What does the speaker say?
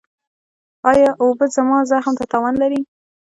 ایا اوبه زما زخم ته تاوان لري؟